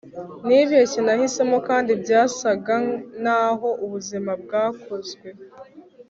nibeshye nahisemo, kandi byasaga naho ubuzima bwakozwe